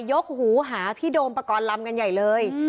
กหูหาพี่โดมปกรณ์ลำกันใหญ่เลย